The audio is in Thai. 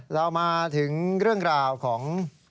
เรามาถึงเรื่องราวของ